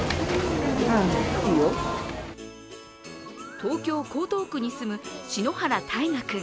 東京・江東区に住む篠原大駕君。